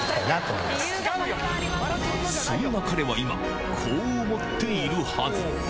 そんな彼は今、こう思っているはず。